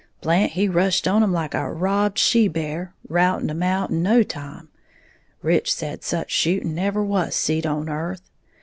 Blant he rushed on 'em like a robbed she bear, routing 'em in no time, Rich said such shooting never was seed on earth.